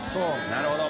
なるほど。